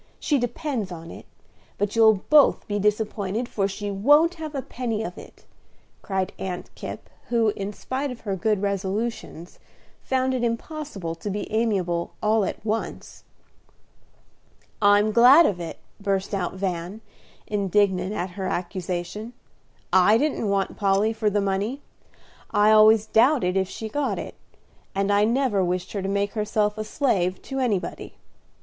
She depends on it; but you'll both be disappointed, for she won't have a penny of it," cried Aunt Kipp, who, in spite of her good resolutions, found it impossible to be amiable all at once. "I'm glad of it!" burst out Van, indignant at her accusation. "I didn't want Polly for the money; I always doubted if she got it; and I never wished her to make herself a slave to anybody.